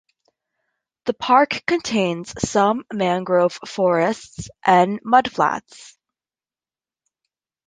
The park contains some mangrove forests and mudflats.